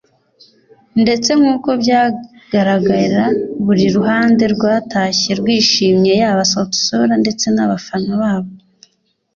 ndetse nkuko byagaragara buri ruhande rwatashye rwishimye yaba Sauti Sol ndetse n'abafana babo